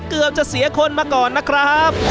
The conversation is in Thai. เกือบจะเสียคนมาก่อนนะครับ